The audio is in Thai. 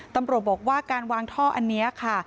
ตำรวจบอกว่าการวางท่ออันนี้ค่ะ